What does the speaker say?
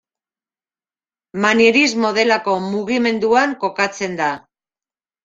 Manierismo delako mugimenduan kokatzen da.